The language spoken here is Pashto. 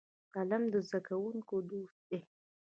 قلم د زده کوونکو دوست دی